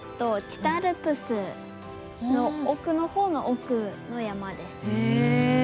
北アルプスの奥の方の奥の山です。